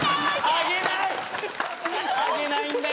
上げないんだよな。